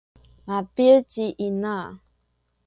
mabi’ ci ina.